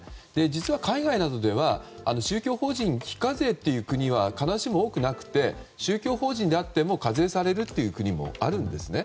実は海外などでは宗教法人、非課税という国は必ずしも多くなくても宗教法人であっても課税される国もあるんですね。